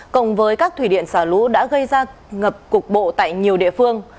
cộng với các thủy điện xả lũ đã gây ra ngập cục bộ tại nhiều địa phương